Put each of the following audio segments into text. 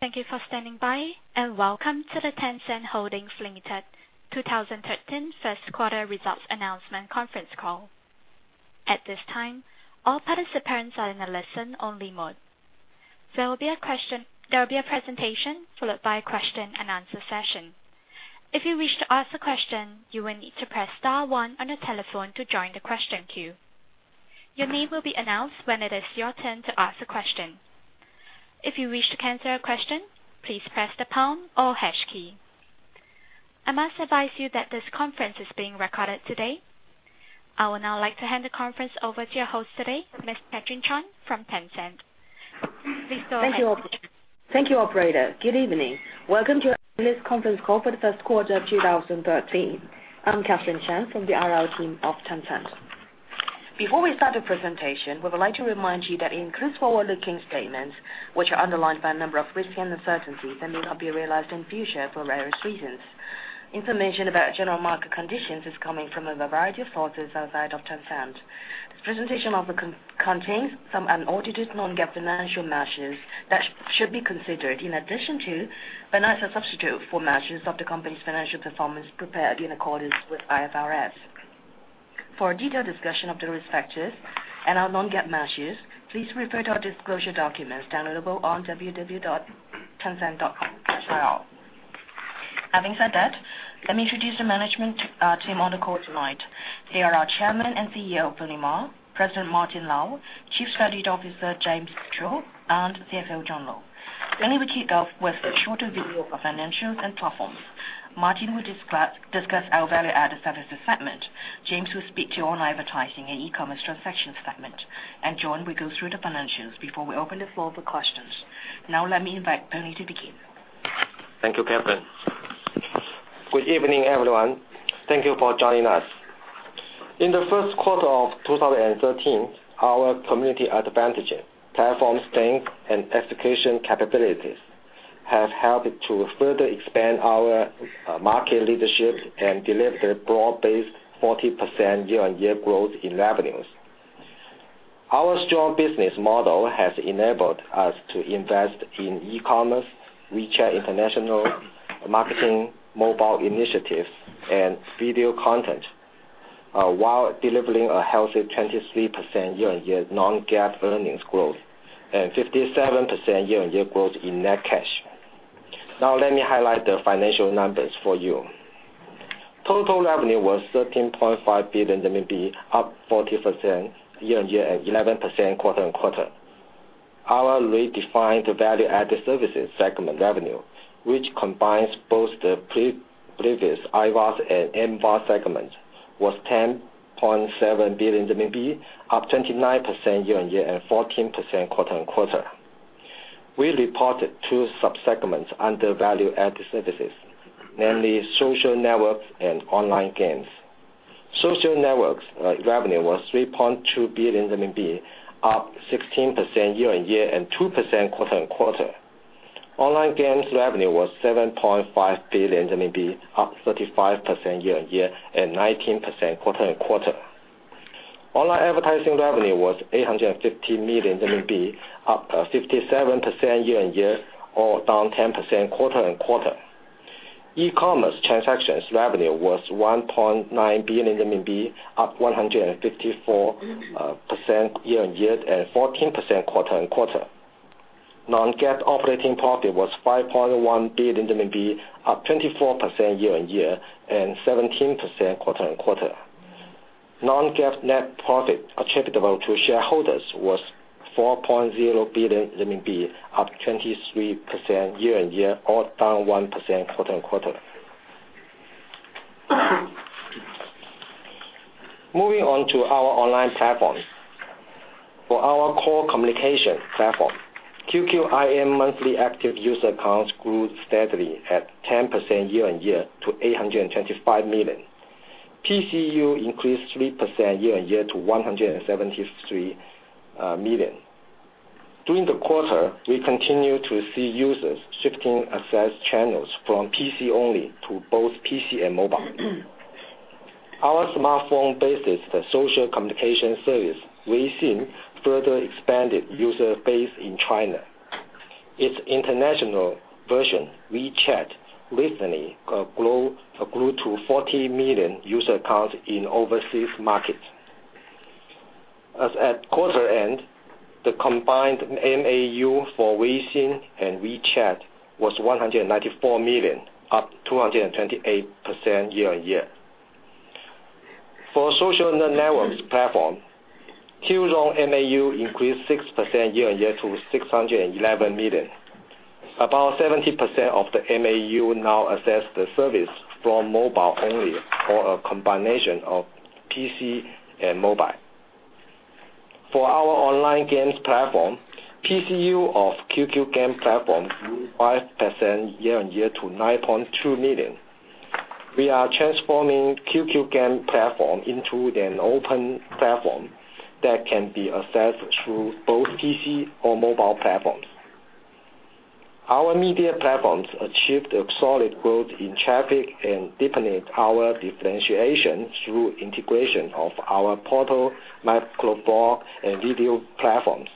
Thank you for standing by. Welcome to the Tencent Holdings Limited 2013 first quarter results announcement conference call. At this time, all participants are in a listen-only mode. There will be a presentation followed by a question-and-answer session. If you wish to ask a question, you will need to press star one on your telephone to join the question queue. Your name will be announced when it is your turn to ask a question. If you wish to cancel a question, please press the pound or hash key. I must advise you that this conference is being recorded today. I would now like to hand the conference over to your host today, Ms. Catherine Chan from Tencent. Please go ahead. Thank you, operator. Good evening. Welcome to our latest conference call for the first quarter of 2013. I am Catherine Chan from the IR team of Tencent. Before we start the presentation, we would like to remind you that it includes forward-looking statements, which are underlined by a number of risks and uncertainties that may not be realized in future for various reasons. Information about general market conditions is coming from a variety of sources outside of Tencent. This presentation contains some unaudited non-GAAP financial measures that should be considered in addition to, but not as a substitute for, measures of the company's financial performance prepared in accordance with IFRS. For a detailed discussion of the risk factors and our non-GAAP measures, please refer to our disclosure documents downloadable on www.tencent.com/ir. Having said that, let me introduce the management team on the call tonight. They are our Chairman and CEO, Pony Ma, President Martin Lau, Chief Strategy Officer James Mitchell, and CFO John Lo. Pony will kick off with a shorter video for financials and platforms. Martin will discuss our Value-Added Services segment. James will speak to online advertising and e-commerce transactions segment. John will go through the financials before we open the floor for questions. Now let me invite Pony to begin. Thank you, Catherine. Good evening, everyone. Thank you for joining us. In the first quarter of 2013, our community advantages, platform strength, and execution capabilities have helped to further expand our market leadership and deliver broad-based 40% year-on-year growth in revenues. Our strong business model has enabled us to invest in e-commerce, WeChat international marketing, mobile initiatives, and video content, while delivering a healthy 23% year-on-year non-GAAP earnings growth and 57% year-on-year growth in net cash. Now let me highlight the financial numbers for you. Total revenue was 13.5 billion RMB, up 40% year-on-year and 11% quarter-on-quarter. Our redefined Value-Added Services Segment revenue, which combines both the previous IVAS and NVAS segments, was 10.7 billion RMB, up 29% year-on-year and 14% quarter-on-quarter. We reported two sub-segments under Value-Added Services, namely Social Networks and Online Games. Social Networks revenue was 3.2 billion RMB, up 16% year-on-year and 2% quarter-on-quarter. Online games revenue was 7.5 billion RMB, up 35% year-on-year and 19% quarter-on-quarter. Online advertising revenue was 850 million RMB, up 57% year-on-year or down 10% quarter-on-quarter. E-commerce transactions revenue was 1.9 billion RMB, up 154% year-on-year and 14% quarter-on-quarter. non-GAAP operating profit was 5.1 billion RMB, up 24% year-on-year and 17% quarter-on-quarter. non-GAAP net profit attributable to shareholders was 4.04 billion renminbi, up 23% year-on-year or down 1% quarter-on-quarter. Moving on to our online platforms. For our core communication platform, QQ IM monthly active user accounts grew steadily at 10% year-on-year to 825 million. PCU increased 3% year-on-year to 173 million. During the quarter, we continued to see users shifting access channels from PC-only to both PC and mobile. Our smartphone-based social communication service, Weixin, further expanded user base in China. Its international version, WeChat, recently grew to 40 million user accounts in overseas markets. As at quarter end, the combined MAU for Weixin and WeChat was 194 million, up 228% year-on-year. For social networks platform, Qzone MAU increased 6% year-on-year to 611 million. About 70% of the MAU now access the service from mobile only or a combination of PC and mobile. For our online games platform, PCU of QQ Game platform grew 5% year-on-year to 9.2 million. We are transforming QQ Game platform into an open platform that can be accessed through both PC or mobile platforms. Our media platforms achieved a solid growth in traffic and deepened our differentiation through integration of our portal, microblog, and video platforms.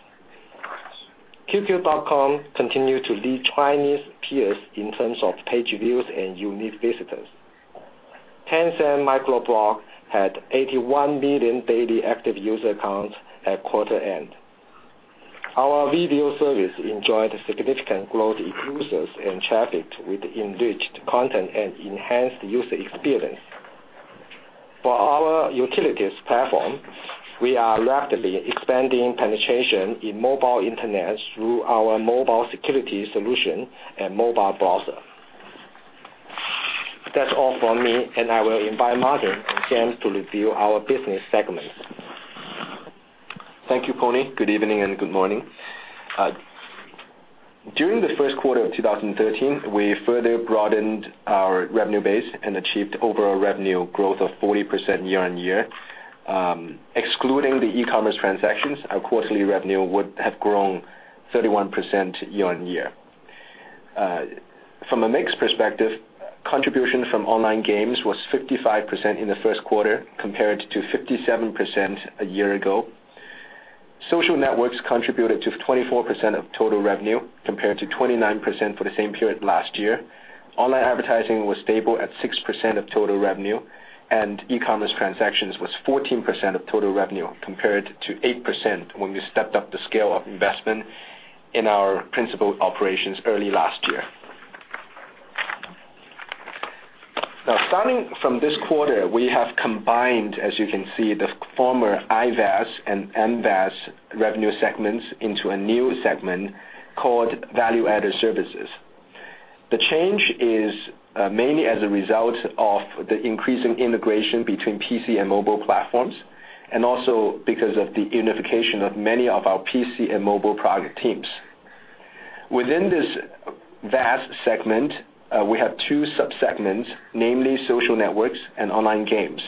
qq.com continued to lead Chinese peers in terms of page views and unique visitors. Tencent Weibo had 81 million daily active user accounts at quarter end. Our video service enjoyed significant growth in users and traffic with enriched content and enhanced user experience. For our utilities platform, we are rapidly expanding penetration in mobile internet through our mobile security solution and mobile browser. That's all from me, and I will invite Martin and James to review our business segments. Thank you, Pony. Good evening and good morning. During the first quarter of 2013, we further broadened our revenue base and achieved overall revenue growth of 40% year-on-year. Excluding the e-commerce transactions, our quarterly revenue would have grown 31% year-on-year. From a mix perspective, contribution from online games was 55% in the first quarter, compared to 57% a year ago. Social networks contributed to 24% of total revenue, compared to 29% for the same period last year. Online advertising was stable at 6% of total revenue, and e-commerce transactions was 14% of total revenue, compared to 8% when we stepped up the scale of investment in our principal operations early last year. Starting from this quarter, we have combined, as you can see, the former IVAS and MVAS revenue segments into a new segment called Value-Added Services. The change is mainly as a result of the increasing integration between PC and mobile platforms, also because of the unification of many of our PC and mobile product teams. Within this VAS segment, we have two sub-segments, namely social networks and online games.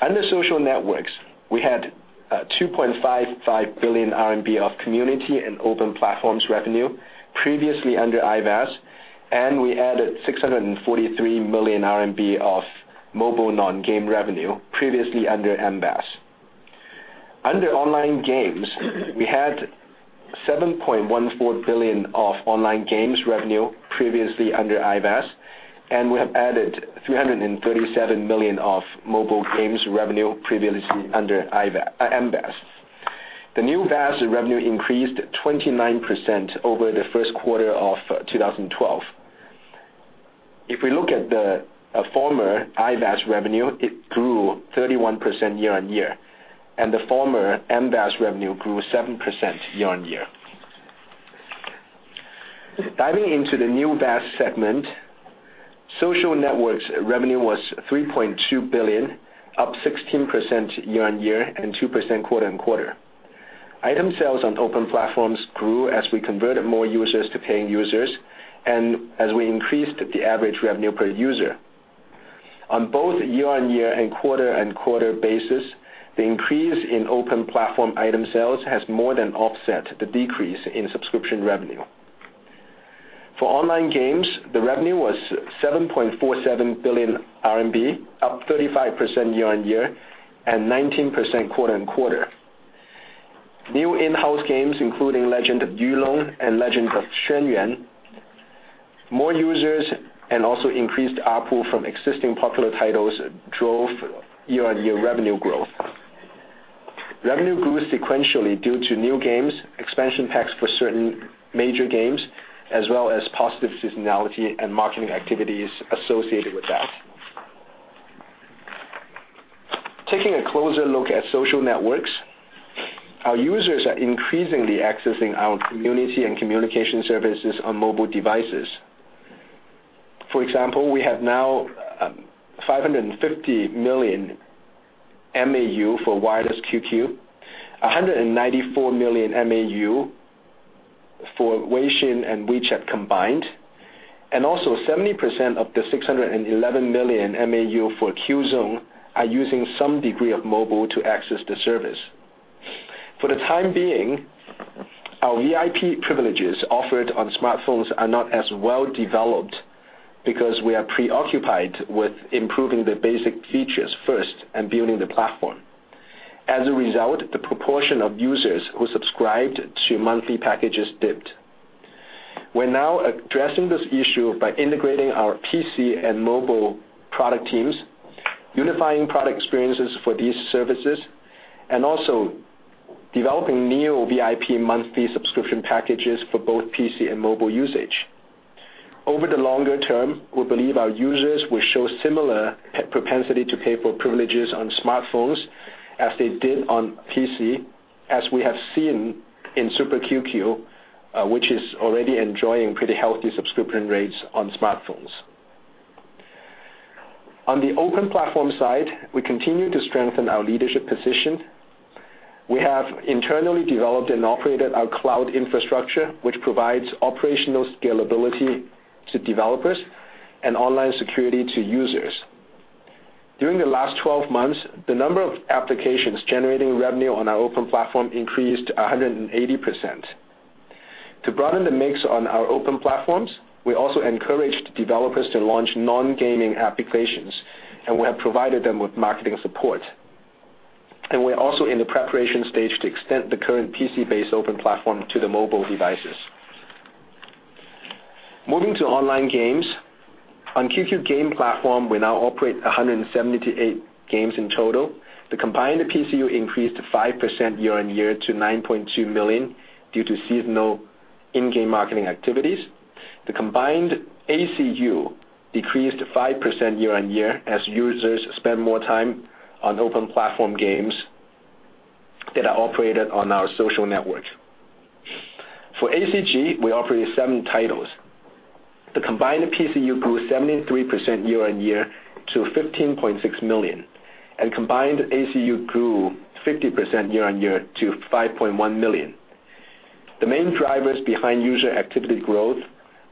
Under social networks, we had 2.55 billion RMB of community and open platforms revenue previously under IVAS, and we added 643 million RMB of mobile non-game revenue previously under MVAS. Under online games, we had 7.14 billion of online games revenue previously under IVAS, and we have added 337 million of mobile games revenue previously under MVAS. The new VAS revenue increased 29% over the first quarter of 2012. If we look at the former IVAS revenue, it grew 31% year-on-year, and the former MVAS revenue grew 7% year-on-year. Diving into the new VAS segment, social networks revenue was 3.2 billion, up 16% year-on-year and 2% quarter-on-quarter. Item sales on open platforms grew as we converted more users to paying users and as we increased the average revenue per user. On both year-on-year and quarter-on-quarter basis, the increase in open platform item sales has more than offset the decrease in subscription revenue. For online games, the revenue was 7.47 billion RMB, up 35% year-on-year and 19% quarter-on-quarter. New in-house games, including Legend of Yulong and Legend of Xuan Yuan, more users, also increased ARPU from existing popular titles drove year-on-year revenue growth. Revenue grew sequentially due to new games, expansion packs for certain major games, as well as positive seasonality and marketing activities associated with that. Taking a closer look at social networks, our users are increasingly accessing our community and communication services on mobile devices. For example, we have now 550 million MAU for Wireless QQ, 194 million MAU for Weixin and WeChat combined, also 70% of the 611 million MAU for Qzone are using some degree of mobile to access the service. For the time being, our VIP privileges offered on smartphones are not as well developed because we are preoccupied with improving the basic features first and building the platform. As a result, the proportion of users who subscribed to monthly packages dipped. We're now addressing this issue by integrating our PC and mobile product teams, unifying product experiences for these services, also developing new VIP monthly subscription packages for both PC and mobile usage. Over the longer term, we believe our users will show similar propensity to pay for privileges on smartphones as they did on PC, as we have seen in Super QQ, which is already enjoying pretty healthy subscription rates on smartphones. On the open platform side, we continue to strengthen our leadership position. We have internally developed and operated our cloud infrastructure, which provides operational scalability to developers and online security to users. During the last 12 months, the number of applications generating revenue on our open platform increased 180%. To broaden the mix on our open platforms, we also encouraged developers to launch non-gaming applications, and we have provided them with marketing support. We're also in the preparation stage to extend the current PC-based open platform to the mobile devices. Moving to online games, on QQ game platform, we now operate 178 games in total. The combined PCU increased 5% year-on-year to 9.2 million due to seasonal in-game marketing activities. The combined ACU decreased 5% year-on-year as users spend more time on open platform games that are operated on our social networks. For ACG, we operate seven titles. The combined PCU grew 73% year-on-year to 15.6 million, and combined ACU grew 50% year-on-year to 5.1 million. The main drivers behind user activity growth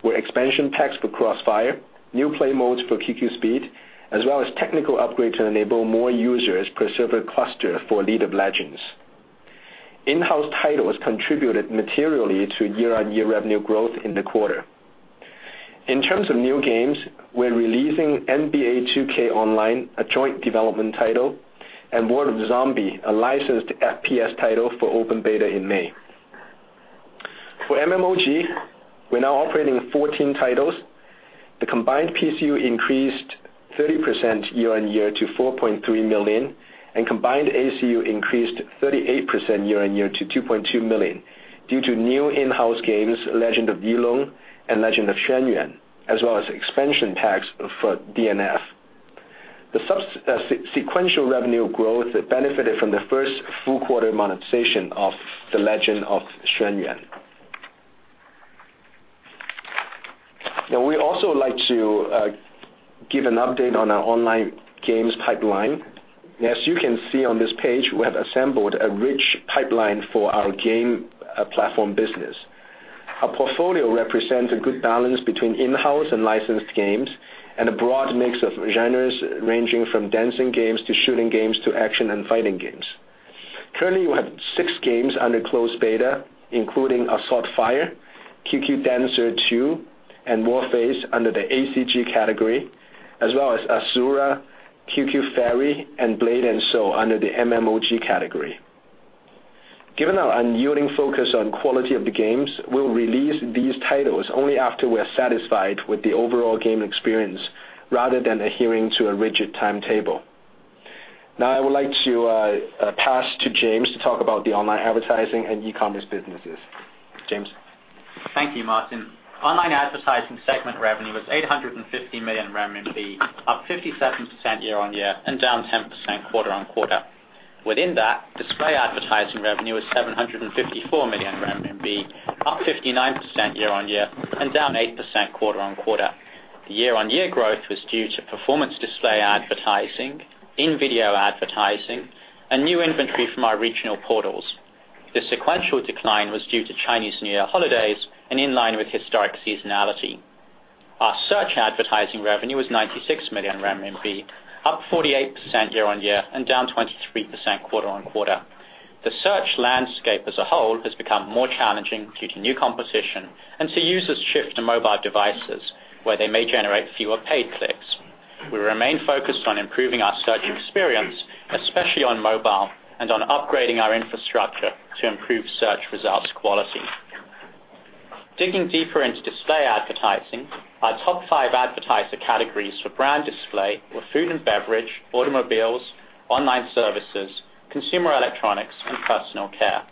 were expansion packs for CrossFire, new play modes for QQ Speed, as well as technical upgrades to enable more users per server cluster for League of Legends. In-house titles contributed materially to year-on-year revenue growth in the quarter. In terms of new games, we are releasing NBA 2K Online, a joint development title, and War of the Zombie, a licensed FPS title, for open beta in May. For MMOG, we are now operating 14 titles. The combined PCU increased 30% year-on-year to 4.3 million, and combined ACU increased 38% year-on-year to 2.2 million due to new in-house games, Legend of Yulong and Legend of Xuan Yuan, as well as expansion packs for DNF. The sequential revenue growth benefited from the first full quarter monetization of the Legend of Xuan Yuan. Now, we also like to give an update on our online games pipeline. As you can see on this page, we have assembled a rich pipeline for our game platform business. Our portfolio represents a good balance between in-house and licensed games and a broad mix of genres, ranging from dancing games to shooting games, to action and fighting games. Currently, we have six games under closed beta, including Assault Fire, QQ Dancer 2, and Warface under the ACG category, as well as Asura, QQ Fairy, and Blade & Soul under the MMOG category. Given our unyielding focus on quality of the games, we will release these titles only after we are satisfied with the overall game experience, rather than adhering to a rigid timetable. Now I would like to pass to James to talk about the online advertising and e-commerce businesses. James? Thank you, Martin. Online advertising segment revenue was 850 million RMB, up 57% year-on-year and down 10% quarter-on-quarter. Within that, display advertising revenue was 754 million RMB, up 59% year-on-year and down 8% quarter-on-quarter. The year-on-year growth was due to performance display advertising, in-video advertising, and new inventory from our regional portals. The sequential decline was due to Chinese New Year holidays and in line with historic seasonality. Our search advertising revenue was 96 million RMB, up 48% year-on-year and down 23% quarter-on-quarter. The search landscape as a whole has become more challenging due to new composition and to users' shift to mobile devices, where they may generate fewer paid clicks. We remain focused on improving our search experience, especially on mobile, and on upgrading our infrastructure to improve search results quality. Digging deeper into display advertising, our top five advertiser categories for brand display were food and beverage, automobiles, online services, consumer electronics, and personal care.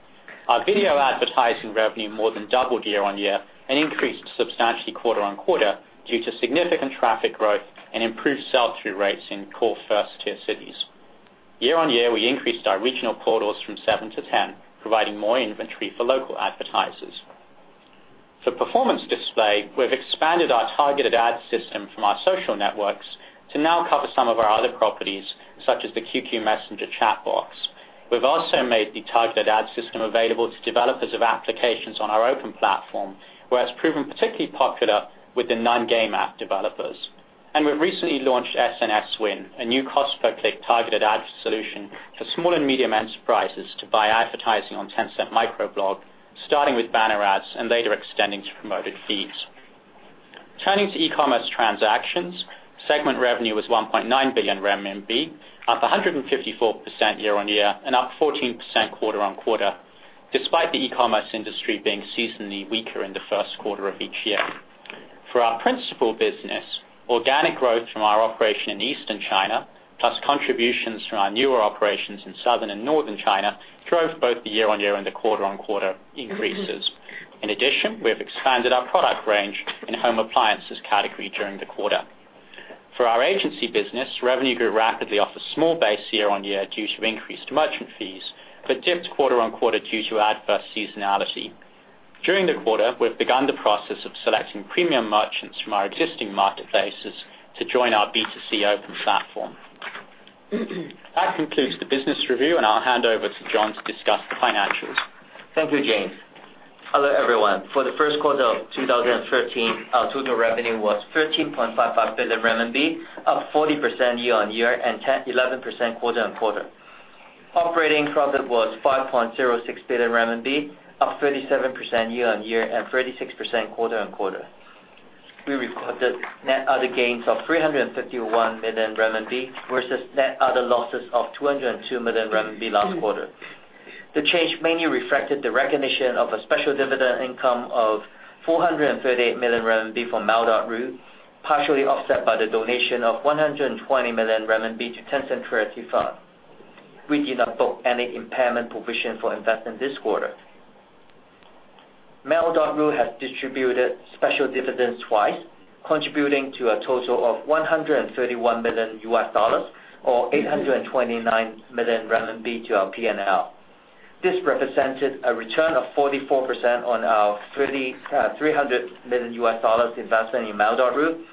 Our video advertising revenue more than doubled year-on-year and increased substantially quarter-on-quarter due to significant traffic growth and improved sell-through rates in core first-tier cities. Year-on-year, we increased our regional portals from seven to 10, providing more inventory for local advertisers. For performance display, we've expanded our targeted ad system from our social networks to now cover some of our other properties, such as the Tencent QQ chat box. We've also made the targeted ad system available to developers of applications on our open platform, where it's proven particularly popular with the non-game app developers. We've recently launched SNS Win, a new cost-per-click targeted ad solution for small and medium enterprises to buy advertising on Tencent Weibo, starting with banner ads and later extending to promoted feeds. Turning to e-commerce transactions, segment revenue was 1.9 billion RMB, up 154% year-on-year and up 14% quarter-on-quarter, despite the e-commerce industry being seasonally weaker in the first quarter of each year. For our principal business, organic growth from our operation in Eastern China, plus contributions from our newer operations in Southern and Northern China, drove both the year-on-year and the quarter-on-quarter increases. In addition, we have expanded our product range in home appliances category during the quarter. For our agency business, revenue grew rapidly off a small base year-on-year due to increased merchant fees, but dipped quarter-on-quarter due to adverse seasonality. During the quarter, we've begun the process of selecting premium merchants from our existing marketplaces to join our B2C open platform. That concludes the business review, and I'll hand over to John to discuss the financials. Thank you, James. Hello, everyone. For the first quarter of 2013, our total revenue was 13.55 billion RMB, up 40% year-on-year and 11% quarter-on-quarter. Operating profit was 5.06 billion RMB, up 37% year-on-year and 36% quarter-on-quarter. We recorded net other gains of 351 million renminbi versus net other losses of 202 million renminbi last quarter. The change mainly reflected the recognition of a special dividend income of 438 million RMB from Mail.ru, partially offset by the donation of 120 million RMB to Tencent Charity Foundation. We did not book any impairment provision for investment this quarter. Mail.ru has distributed special dividends twice, contributing to a total of US$131 million or 829 million RMB to our P&L. This represented a return of 44% on our US$300 million investment in Mail.ru,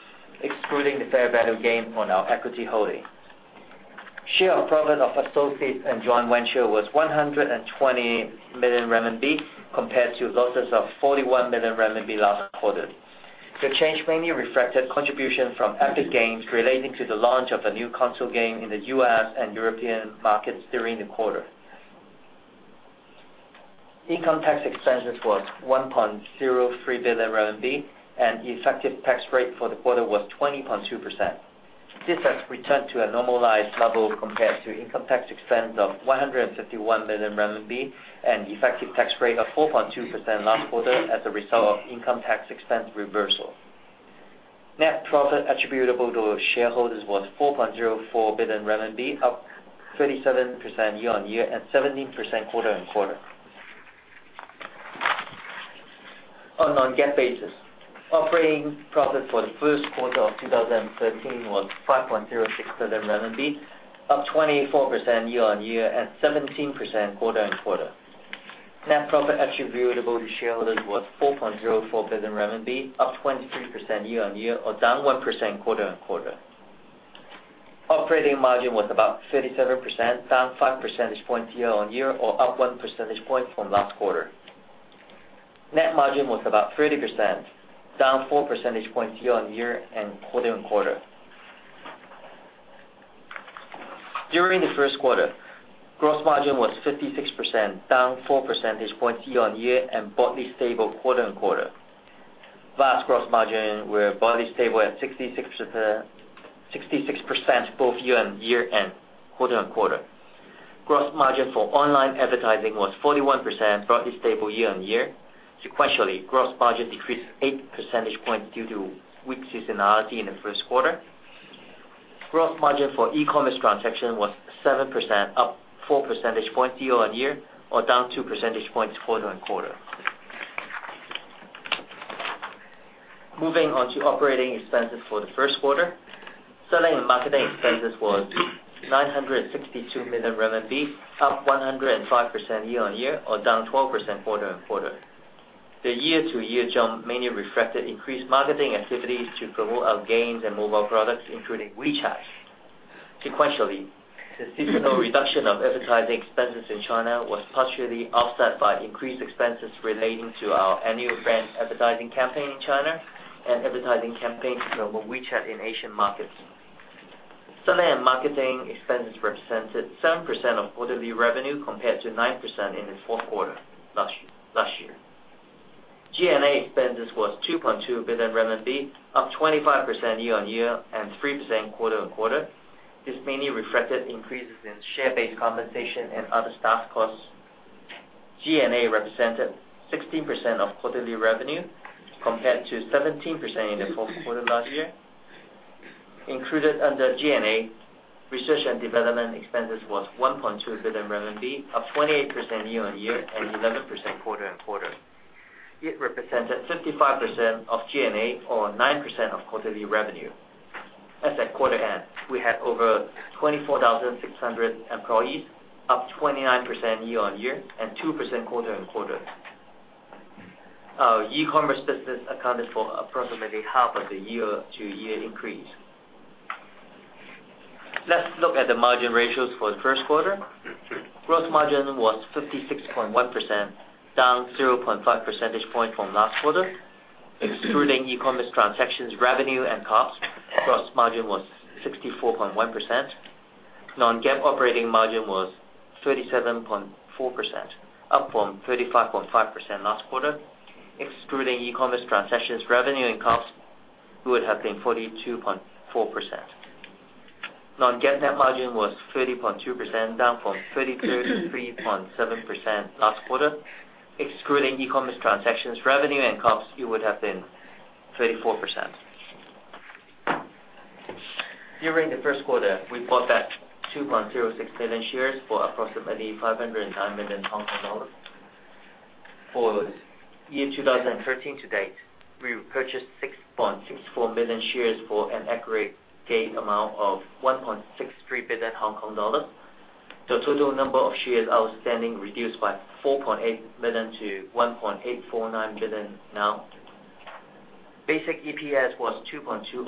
excluding the fair value gain on our equity holding. Share of profit of associates and joint venture was 120 million RMB, compared to losses of 41 million RMB last quarter. The change mainly reflected contribution from Epic Games relating to the launch of a new console game in the U.S. and European markets during the quarter. Income tax expense was 1.03 billion RMB, and the effective tax rate for the quarter was 20.2%. This has returned to a normalized level compared to income tax expense of 151 million RMB and effective tax rate of 4.2% last quarter as a result of income tax expense reversal. Net profit attributable to shareholders was 4.04 billion RMB, up 37% year-on-year and 17% quarter-on-quarter. On non-GAAP basis, operating profit for the first quarter of 2013 was 5.06 billion renminbi, up 24% year-on-year and 17% quarter-on-quarter. Net profit attributable to shareholders was 4.04 billion RMB, up 23% year-on-year or down 1% quarter-on-quarter. Operating margin was about 37%, down five percentage points year-on-year or up one percentage point from last quarter. Net margin was about 30%, down four percentage points year-on-year and quarter-on-quarter. During the first quarter, gross margin was 56%, down four percentage points year-on-year and broadly stable quarter-on-quarter. VAS gross margin were broadly stable at 66% both year-on-year and quarter-on-quarter. Gross margin for online advertising was 41%, broadly stable year-on-year. Sequentially, gross margin decreased eight percentage points due to weak seasonality in the first quarter. Gross margin for e-commerce transaction was 7%, up four percentage points year-on-year or down two percentage points quarter-on-quarter. Moving on to operating expense for the first quarter. Selling and marketing expense was 962 million RMB, up 105% year-on-year or down 12% quarter-on-quarter. The year-to-year jump mainly reflected increased marketing activities to promote our games and mobile products, including WeChat. Sequentially, the seasonal reduction of advertising expense in China was partially offset by increased expense relating to our annual brand advertising campaign in China and advertising campaign to promote WeChat in Asian markets. Selling and marketing expense represented 7% of quarterly revenue compared to 9% in the fourth quarter last year. G&A expense was 2.2 billion RMB, up 25% year-on-year and 3% quarter-on-quarter. This mainly reflected increases in share-based compensation and other staff costs. G&A represented 16% of quarterly revenue, compared to 17% in the fourth quarter last year. Included under G&A, research and development expense was 1.2 billion RMB, up 28% year-on-year and 11% quarter-on-quarter. It represented 55% of G&A or 9% of quarterly revenue. As at quarter end, we had over 24,600 employees, up 29% year-on-year and 2% quarter-on-quarter. Our e-commerce business accounted for approximately half of the year-to-year increase. Let's look at the margin ratios for the first quarter. Gross margin was 56.1%, down 0.5 percentage point from last quarter. Excluding e-commerce transactions revenue and costs, gross margin was 64.1%. Non-GAAP operating margin was 37.4%, up from 35.5% last quarter. Excluding e-commerce transactions revenue and costs, we would have been 42.4%. Non-GAAP net margin was 30.2%, down from 33.7% last quarter. Excluding e-commerce transactions revenue and costs, it would have been 34%. During the first quarter, we bought back 2.06 million shares for approximately 509 million Hong Kong dollars. For year 2013 to date, we repurchased 6.64 million shares for an aggregate amount of 1.63 billion Hong Kong dollars. The total number of shares outstanding reduced by 4.8 million to 1.849 billion now. Basic EPS was 2.204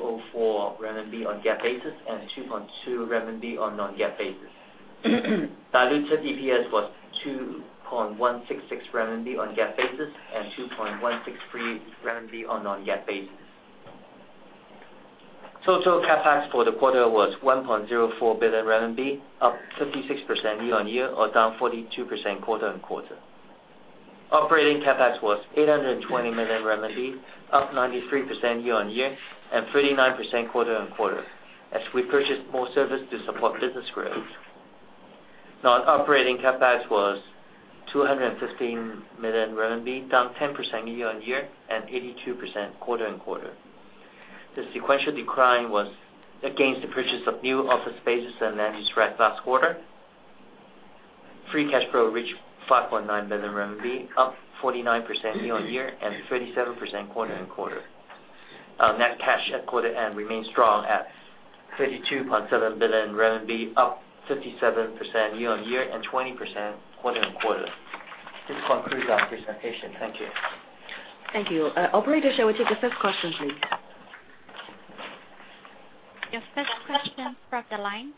RMB on GAAP basis, and 2.2 RMB on non-GAAP basis. Diluted EPS was 2.166 RMB on GAAP basis, and 2.163 RMB on non-GAAP basis. Total CapEx for the quarter was 1.04 billion RMB, up 56% year-on-year or down 42% quarter-on-quarter. Operating CapEx was 820 million RMB, up 93% year-on-year and 39% quarter-on-quarter, as we purchased more service to support business growth. Non-operating CapEx was 215 million RMB, down 10% year-on-year and 82% quarter-on-quarter. The sequential decline was against the purchase of new office spaces in Nanshan District last quarter. Free cash flow reached 5.9 billion RMB, up 49% year-on-year and 37% quarter-on-quarter. Our net cash at quarter end remains strong at 52.7 billion RMB, up 57% year-on-year and 20% quarter-on-quarter. This concludes our presentation. Thank you. Thank you. Operator, shall we take the first question, please? Your first question from the line.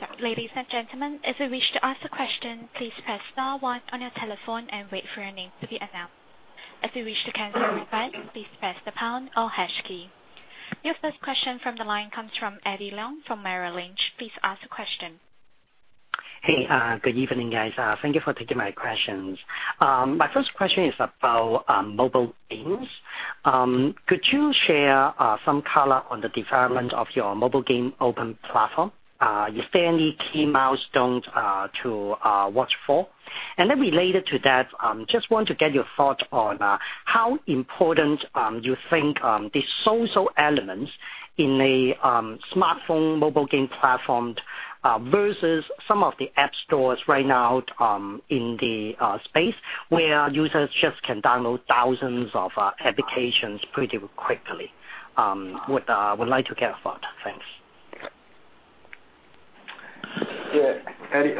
Sorry. Ladies and gentlemen, if you wish to ask a question, please press star one on your telephone and wait for your name to be announced. If you wish to cancel your request, please press the pound or hash key. Your first question from the line comes from Eddie Leung from Merrill Lynch. Please ask the question. Hey, good evening, guys. Thank you for taking my questions. My first question is about mobile games. Could you share some color on the development of your mobile game open platform? Is there any key milestones to watch for? Related to that, I just want to get your thoughts on how important you think the social elements in a smartphone mobile game platform versus some of the app stores right now in the space where users just can download thousands of applications pretty quickly. I would like to get a thought. Thanks. Yeah, Eddie.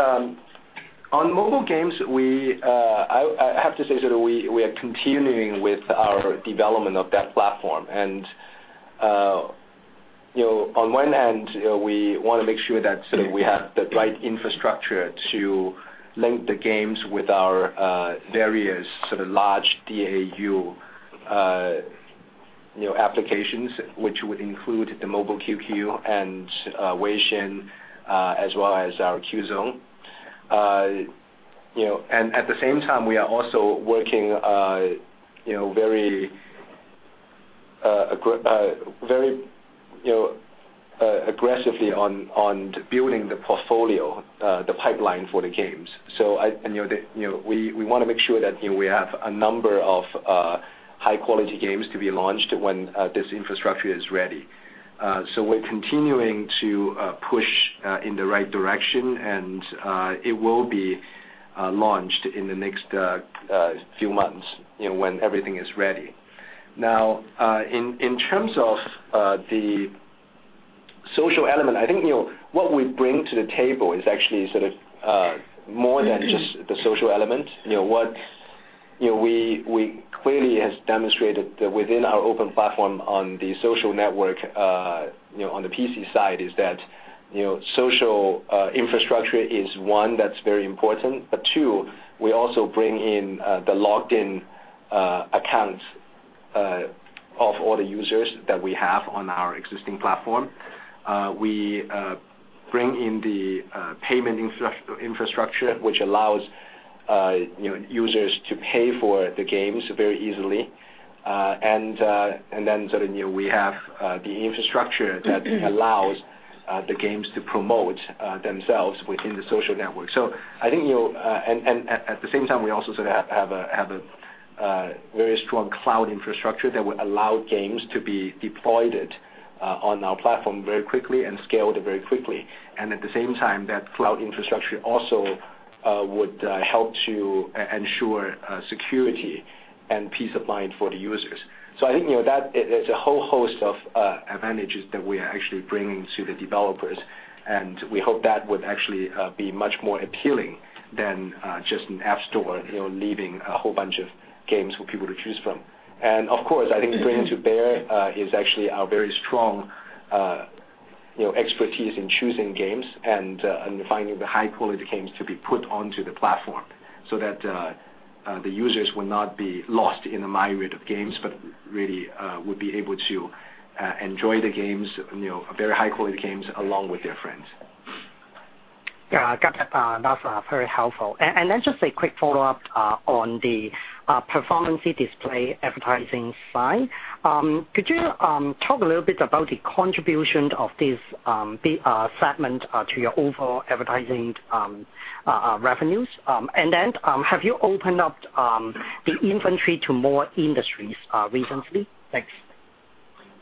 On mobile games, I have to say we are continuing with our development of that platform. On one end, we want to make sure that we have the right infrastructure to link the games with our various large DAU applications, which would include the Mobile QQ and Weixin, as well as our Qzone. At the same time, we are also working very aggressively on building the portfolio, the pipeline for the games. We want to make sure that we have a number of high-quality games to be launched when this infrastructure is ready. We're continuing to push in the right direction, and it will be launched in the next few months, when everything is ready. In terms of the social element, I think what we bring to the table is actually more than just the social element. What we clearly has demonstrated within our open platform on the social network, on the PC side is that social infrastructure is one that's very important. Two, we also bring in the logged-in accounts of all the users that we have on our existing platform. We bring in the payment infrastructure, which allows users to pay for the games very easily. Then we have the infrastructure that allows the games to promote themselves within the social network. At the same time, we also have a very strong cloud infrastructure that would allow games to be deployed on our platform very quickly and scaled very quickly. At the same time, that cloud infrastructure also would help to ensure security and peace of mind for the users. I think there's a whole host of advantages that we are actually bringing to the developers, and we hope that would actually be much more appealing than just an App Store leaving a whole bunch of games for people to choose from. Of course, I think bringing to bear is actually our very strong expertise in choosing games and finding the high-quality games to be put onto the platform, so that the users will not be lost in a myriad of games, but really would be able to enjoy the very high-quality games along with their friends. Yeah, got that. That's very helpful. Then just a quick follow-up on the performance display advertising side. Could you talk a little bit about the contribution of this segment to your overall advertising revenues? Then, have you opened up the inventory to more industries recently?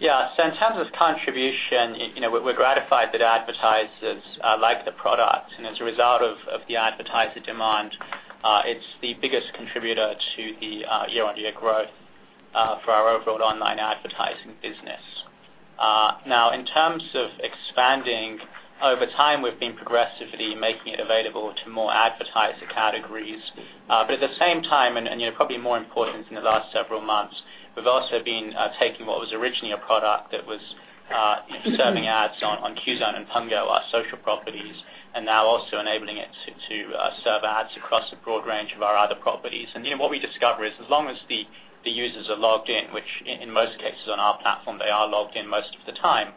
Thanks. In terms of contribution, we're gratified that advertisers like the product. As a result of the advertiser demand, it's the biggest contributor to the year-on-year growth for our overall online advertising business. In terms of expanding, over time, we've been progressively making it available to more advertiser categories. At the same time, and probably more important in the last several months, we've also been taking what was originally a product that was serving ads on Qzone and Pengyou, our social properties, and now also enabling it to serve ads across a broad range of our other properties. What we discover is as long as the users are logged in, which in most cases on our platform, they are logged in most of the time,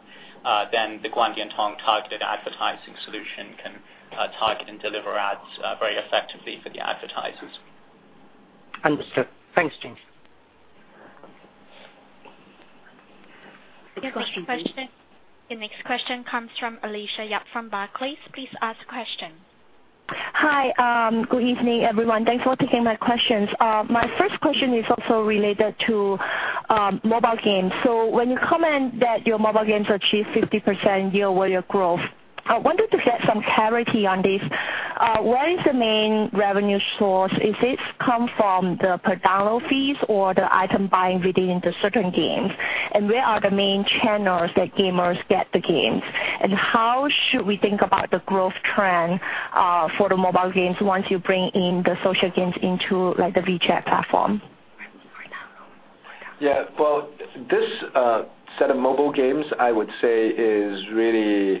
then the Guangdian Tong targeted advertising solution can target and deliver ads very effectively for the advertisers. Understood. Thanks, James. Your next question comes from Alicia Yap from Barclays. Please ask question. Hi. Good evening, everyone. Thanks for taking my questions. My first question is also related to mobile games. When you comment that your mobile games achieve 50% year-over-year growth, I wanted to get some clarity on this. Where is the main revenue source? Is this come from the per-download fees or the item buying within the certain games? Where are the main channels that gamers get the games? How should we think about the growth trend for the mobile games once you bring in the social games into the WeChat platform? Well, this set of mobile games, I would say, is really the,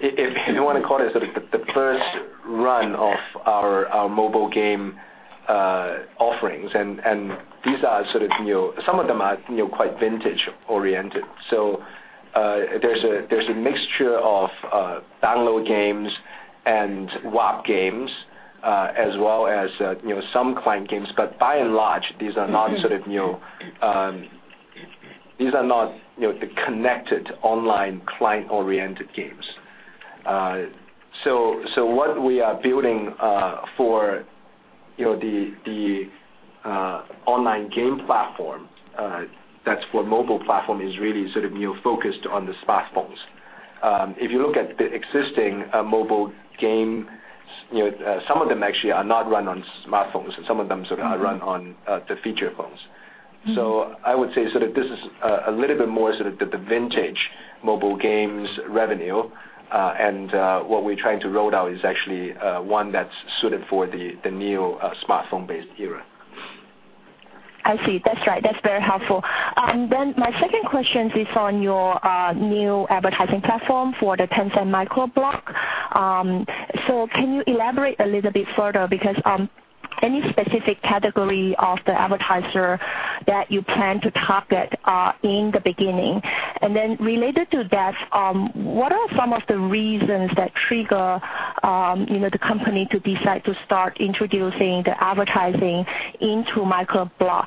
if you want to call it, the first run of our mobile game offerings. Some of them are quite vintage oriented. There's a mixture of download games and WAP games, as well as some client games. By and large, these are not the connected online client-oriented games. What we are building for the online game platform, that's what mobile platform is really focused on the smartphones. If you look at the existing mobile game, some of them actually are not run on smartphones, and some of them are run on the feature phones. I would say, this is a little bit more the vintage mobile games revenue, and what we're trying to roll out is actually one that's suited for the new smartphone-based era. I see. That's right. That's very helpful. My second question is on your new advertising platform for the Tencent Weibo. Can you elaborate a little bit further, because any specific category of the advertiser that you plan to target in the beginning? Related to that, what are some of the reasons that trigger the company to decide to start introducing the advertising into Microblog?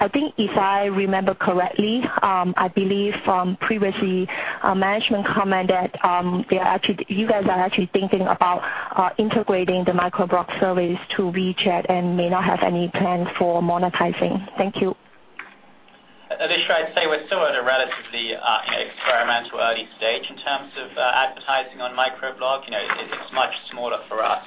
I think if I remember correctly, I believe from previously, management comment that you guys are actually thinking about integrating the Microblog service to WeChat and may not have any plans for monetizing. Thank you. Alicia, I'd say we're still at a relatively experimental early stage in terms of advertising on Microblog. It's much smaller for us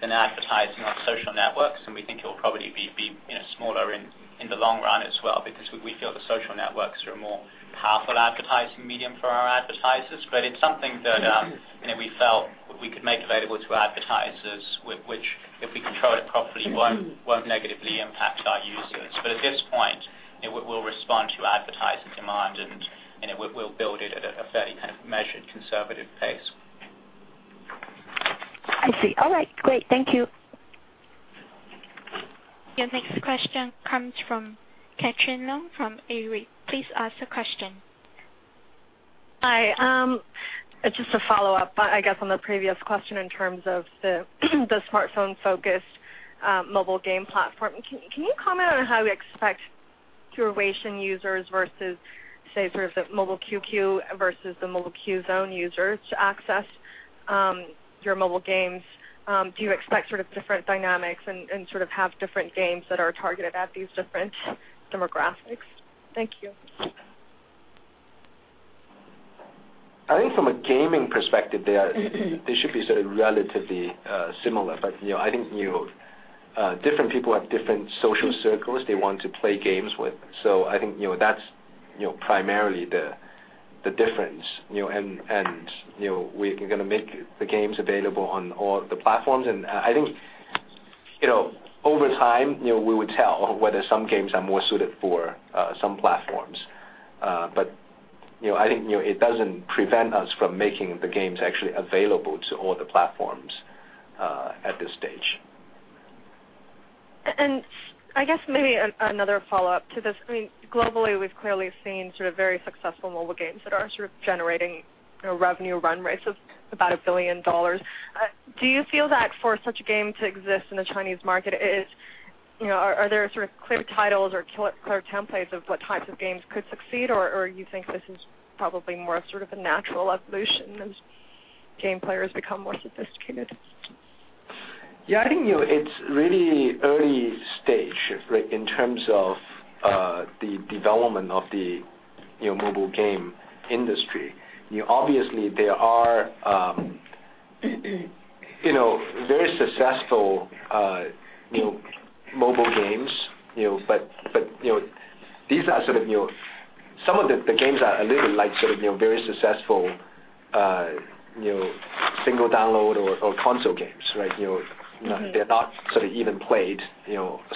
than advertising on social networks. We think it'll probably be smaller in the long run as well. We feel the social networks are a more powerful advertising medium for our advertisers. It's something that we felt we could make available to advertisers, which if we control it properly, won't negatively impact our users. At this point, we'll respond to advertising demand. We'll build it at a very kind of measured, conservative pace. I see. All right. Great. Thank you. Your next question comes from [Catherine Leung] from Avery. Please ask the question. Hi. Just a follow-up, I guess, on the previous question in terms of the smartphone-focused mobile game platform. Can you comment on how we expect your Weixin users versus, say, sort of the Mobile QQ versus the Mobile QZone users to access your mobile games? Do you expect sort of different dynamics and sort of have different games that are targeted at these different demographics? Thank you. I think from a gaming perspective, they should be sort of relatively similar. I think different people have different social circles they want to play games with. I think that's primarily the difference. We're going to make the games available on all the platforms. I think, over time, we would tell whether some games are more suited for some platforms. I think it doesn't prevent us from making the games actually available to all the platforms at this stage. I guess maybe another follow-up to this. Globally, we've clearly seen sort of very successful mobile games that are sort of generating revenue run rates of about $1 billion. Do you feel that for such a game to exist in the Chinese market, are there sort of clear titles or clear templates of what types of games could succeed? You think this is probably more a sort of a natural evolution as game players become more sophisticated? Yeah, I think it's really early stage in terms of the development of the mobile game industry. Obviously, there are very successful mobile games. Some of the games are a little like sort of very successful single download or console games, right? They're not sort of even played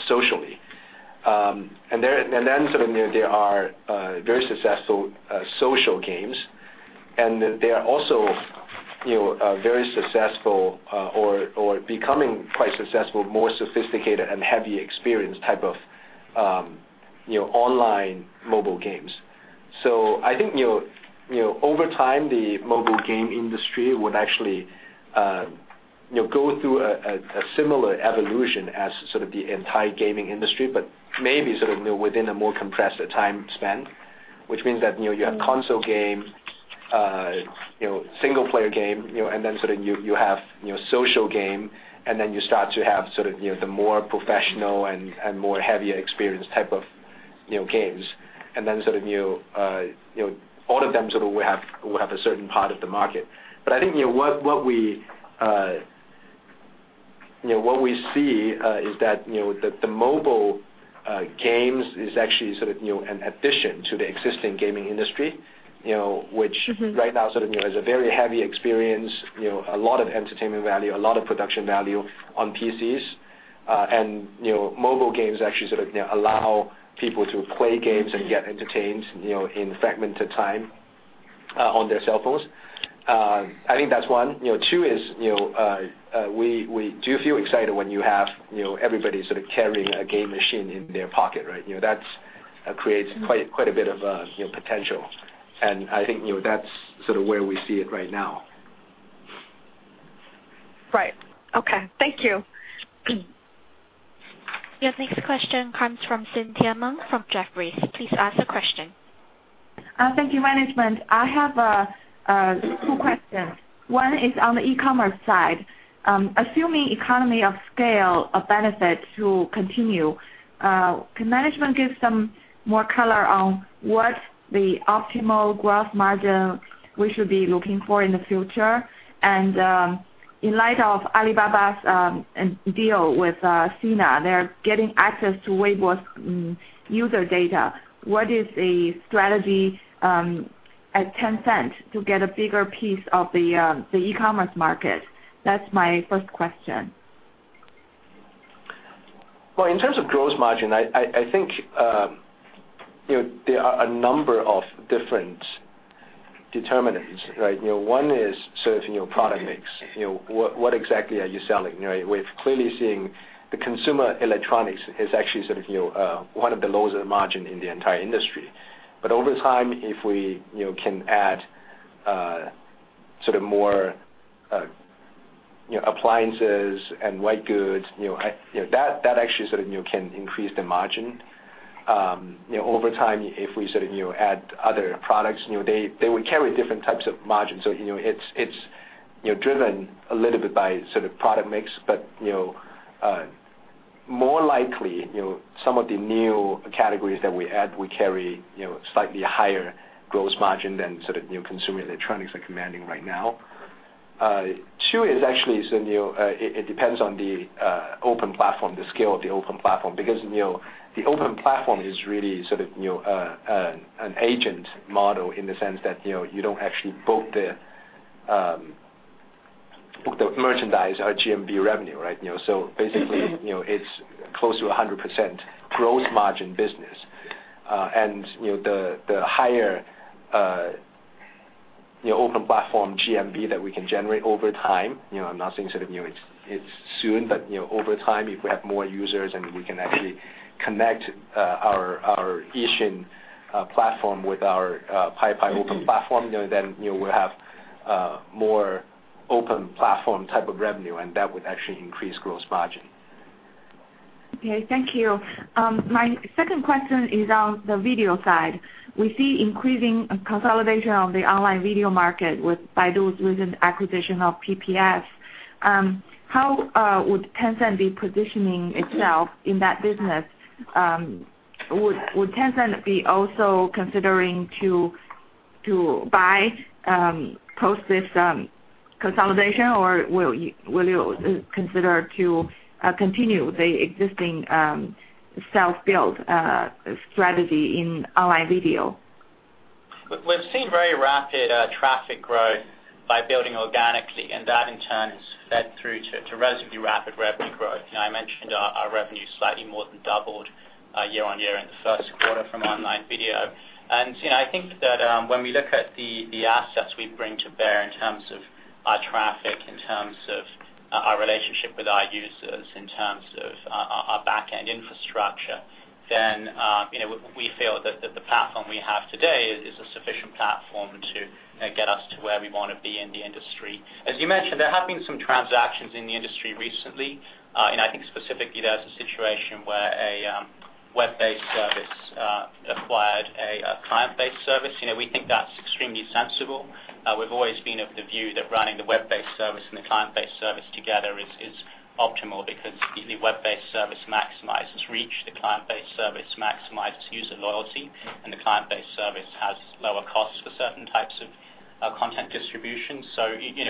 socially. Then sort of there are very successful social games, and they are also very successful or becoming quite successful, more sophisticated, and heavy experience type of online mobile games. I think over time, the mobile game industry would actually go through a similar evolution as sort of the entire gaming industry, but maybe sort of within a more compressed time span, which means that you have console game, single-player game, and then sort of you have social game, and then you start to have the more professional and more heavier experience type of games. Then sort of all of them sort of will have a certain part of the market. I think what we see is that the mobile games is actually sort of an addition to the existing gaming industry, which right now sort of is a very heavy experience, a lot of entertainment value, a lot of production value on PCs. Mobile games actually sort of allow people to play games and get entertained in fragmented time on their cell phones. I think that's one. Two is, we do feel excited when you have everybody sort of carrying a game machine in their pocket, right? That creates quite a bit of potential, and I think that's sort of where we see it right now. Right. Okay. Thank you. Your next question comes from Cynthia Meng from Jefferies. Please ask the question. Thank you, management. I have two questions. One is on the e-commerce side. Assuming economy of scale of benefit to continue, can management give some more color on what the optimal gross margin we should be looking for in the future? In light of Alibaba's deal with Sina, they're getting access to Weibo's user data. What is the strategy at Tencent to get a bigger piece of the e-commerce market? That's my first question. In terms of gross margin, I think there are a number of different determinants, right? One is sort of product mix. What exactly are you selling? We're clearly seeing the consumer electronics is actually sort of one of the lowest margin in the entire industry. Over time, if we can add sort of more appliances and white goods, that actually sort of can increase the margin. Over time, if we sort of add other products, they would carry different types of margins. It's driven a little bit by sort of product mix, but more likely, some of the new categories that we add will carry slightly higher gross margin than sort of consumer electronics are commanding right now. Two is actually, it depends on the open platform, the scale of the open platform. The open platform is really sort of an agent model in the sense that you don't actually book the merchandise or GMV revenue, right? Basically, it's close to 100% gross margin business. The higher open platform GMV that we can generate over time, I'm not saying sort of it's soon, but over time, if we have more users, and we can actually connect our Yixun platform with our Paipai open platform, then we'll have more open platform type of revenue, and that would actually increase gross margin. Okay, thank you. My second question is on the video side. We see increasing consolidation on the online video market with Baidu's recent acquisition of PPS. How would Tencent be positioning itself in that business? Would Tencent be also considering to buy post this consolidation, or will you consider to continue the existing self-built strategy in online video? We've seen very rapid traffic growth by building organically. That in turn has fed through to relatively rapid revenue growth. I mentioned our revenue slightly more than doubled year-over-year in the first quarter from online video. I think that when we look at the assets we bring to bear in terms of our traffic, in terms of our relationship with our users, in terms of our back-end infrastructure, we feel that the platform we have today is a sufficient platform to get us to where we want to be in the industry. As you mentioned, there have been some transactions in the industry recently. I think specifically there's a situation where a web-based service acquired a client-based service. We think that's extremely sensible. We've always been of the view that running the web-based service and the client-based service together is optimal because the web-based service maximizes reach. The client-based service maximizes user loyalty. The client-based service has lower costs for certain types of content distribution.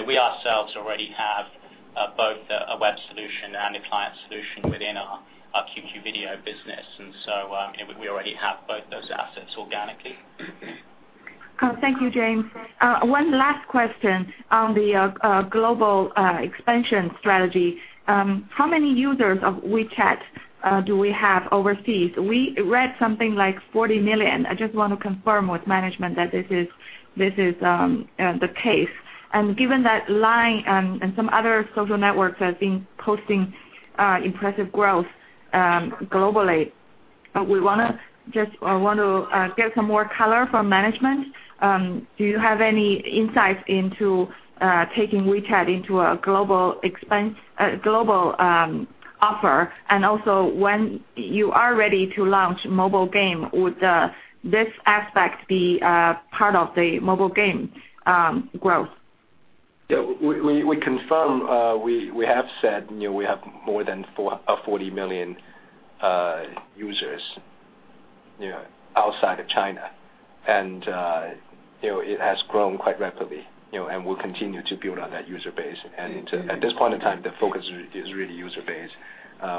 We ourselves already have both a web solution and a client solution within our Tencent Video business. We already have both those assets organically. Thank you, James. One last question on the global expansion strategy. How many users of WeChat do we have overseas? We read something like 40 million. I just want to confirm with management that this is the case. Given that Line and some other social networks have been posting impressive growth globally, we want to get some more color from management. Do you have any insights into taking WeChat into a global offer? Also, when you are ready to launch mobile game, would this aspect be part of the mobile game growth? Yeah. We confirm, we have said we have more than 40 million users outside of China. It has grown quite rapidly. We'll continue to build on that user base. At this point in time, the focus is really user base.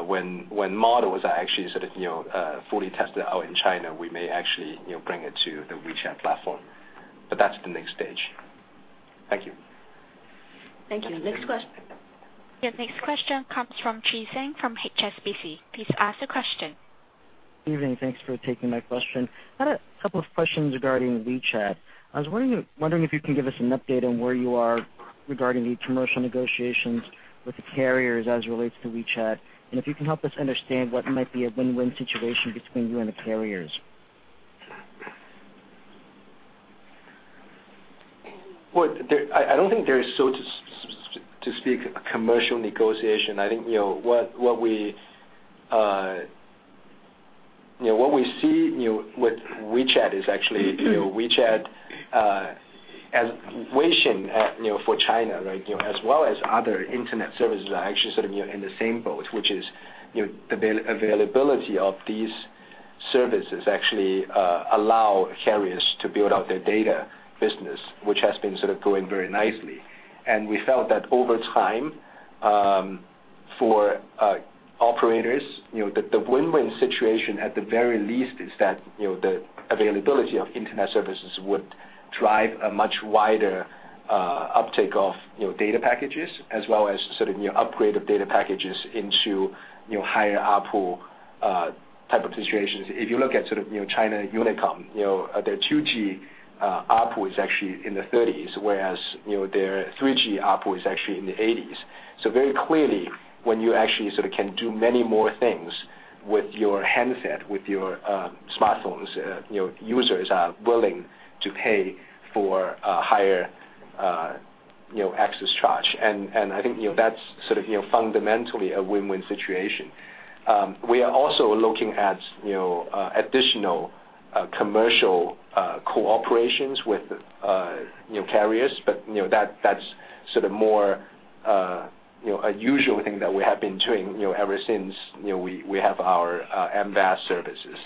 When models are actually sort of fully tested out in China, we may actually bring it to the WeChat platform. That's the next stage. Thank you. Thank you. Next question. Your next question comes from Chi Tsang from HSBC. Please ask the question. Evening. Thanks for taking my question. I had a couple of questions regarding WeChat. I was wondering if you can give us an update on where you are regarding the commercial negotiations with the carriers as relates to WeChat, and if you can help us understand what might be a win-win situation between you and the carriers. Well, I don't think there is so to speak, a commercial negotiation. I think, what we see with WeChat is actually, WeChat as Weixin for China, right, as well as other internet services are actually sort of in the same boat, which is, the availability of these services actually allow carriers to build out their data business, which has been sort of going very nicely. We felt that over time, for operators, the win-win situation at the very least is that the availability of internet services would drive a much wider uptake of data packages, as well as sort of upgrade of data packages into higher ARPU type of situations. If you look at China Unicom, their 2G ARPU is actually in the RMB 30s, whereas their 3G ARPU is actually in the RMB 80s. Very clearly, when you actually sort of can do many more things with your handset, with your smartphones, users are willing to pay for a higher access charge. I think that's sort of fundamentally a win-win situation. We are also looking at additional commercial cooperations with new carriers, that's sort of more a usual thing that we have been doing ever since we have our MVAS services.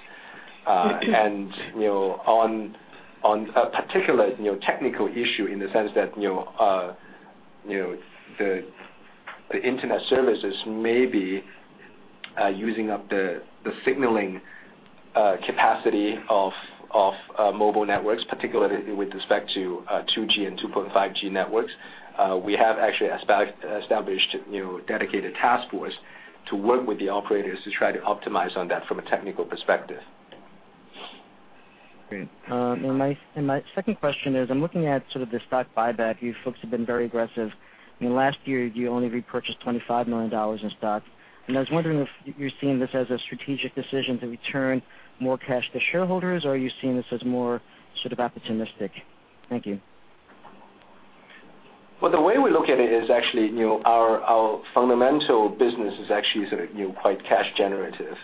On a particular technical issue in the sense that the internet services may be using up the signaling capacity of mobile networks, particularly with respect to 2G and 2.5G networks. We have actually established dedicated task force to work with the operators to try to optimize on that from a technical perspective. Great. My second question is, I'm looking at sort of the stock buyback. You folks have been very aggressive. Last year, you only repurchased RMB 25 million in stock, I was wondering if you're seeing this as a strategic decision to return more cash to shareholders, or are you seeing this as more sort of opportunistic? Thank you. Well, the way we look at it is actually our fundamental business is actually sort of quite cash generative.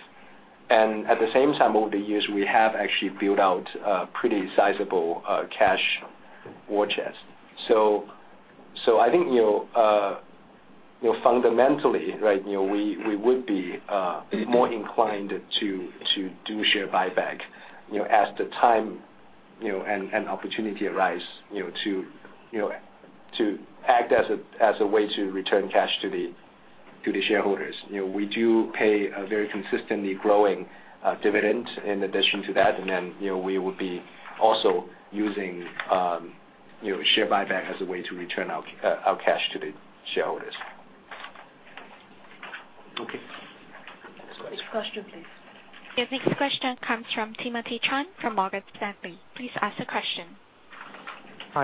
At the same time, over the years, we have actually built out a pretty sizable cash war chest. I think fundamentally, right, we would be more inclined to do share buyback, as the time and opportunity arise to act as a way to return cash to the shareholders. We do pay a very consistently growing dividend in addition to that, we would be also using share buyback as a way to return our cash to the shareholders. Okay. Next question, please. Your next question comes from Timothy Chan from Morgan Stanley. Please ask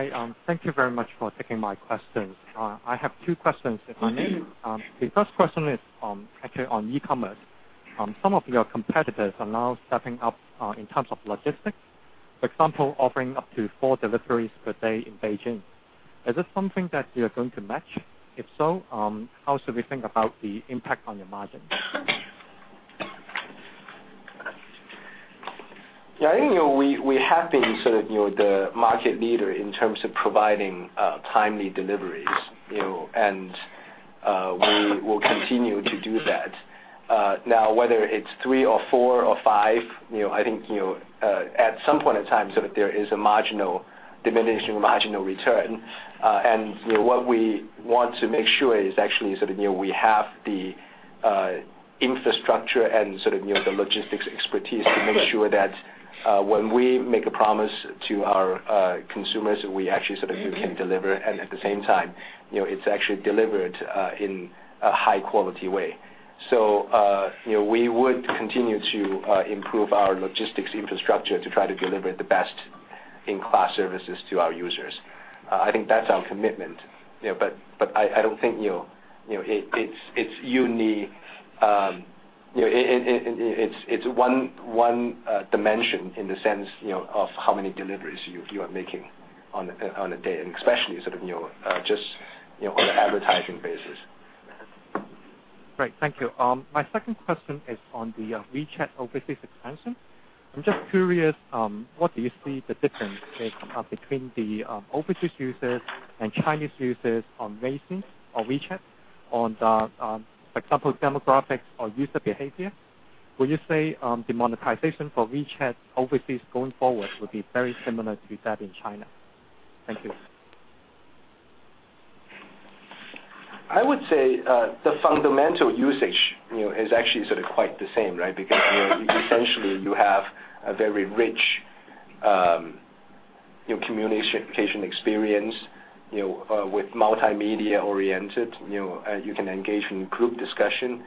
the question. Hi. Thank you very much for taking my questions. I have two questions, if I may. The first question is actually on e-commerce. Some of your competitors are now stepping up in terms of logistics. For example, offering up to four deliveries per day in Beijing. Is this something that you are going to match? If so, how should we think about the impact on your margin? I think we have been sort of the market leader in terms of providing timely deliveries, we will continue to do that. Now, whether it's three or four or five, I think, at some point in time, sort of there is a marginal diminishing, marginal return. What we want to make sure is actually sort of, we have the infrastructure and sort of the logistics expertise to make sure that when we make a promise to our consumers, we actually sort of do can deliver. At the same time, it's actually delivered in a high-quality way. We would continue to improve our logistics infrastructure to try to deliver the best In class services to our users. I think that's our commitment. I don't think it's unique. It's one dimension in the sense of how many deliveries you are making on a day, and especially sort of just on an advertising basis. Great. Thank you. My second question is on the WeChat overseas expansion. I'm just curious, what do you see the difference is between the overseas users and Chinese users on WeChat, on the, for example, demographics or user behavior? Would you say the monetization for WeChat overseas going forward will be very similar to that in China? Thank you. I would say, the fundamental usage is actually sort of quite the same, right? Because essentially you have a very rich communication experience with multimedia oriented. You can engage in group discussion.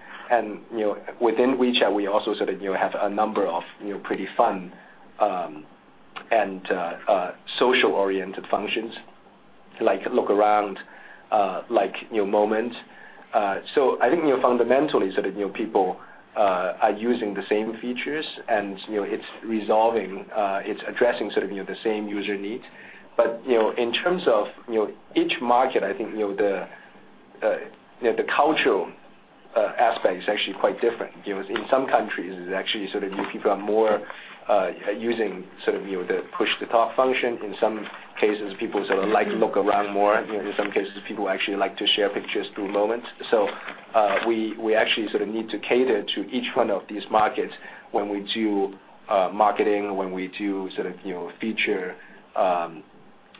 Within WeChat, we also have a number of pretty fun and social-oriented functions. Like Look Around, like Moments. I think fundamentally, people are using the same features and it's resolving, it's addressing the same user needs. In terms of each market, I think the cultural aspect is actually quite different. In some countries, it is actually sort of people are more using the push-to-talk function. In some cases, people like Look Around more. In some cases, people actually like to share pictures through Moments. We actually need to cater to each one of these markets when we do marketing, when we do feature